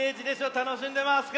たのしんでますか？